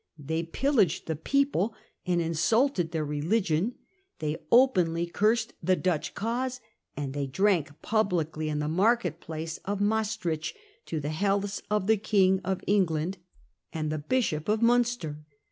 They pillaged the people and insulted their religion, they openly cursed the Dutch cause, and they drank publicly in the market place of Maestricht to the healths of the King of England and the Bishop of Munster.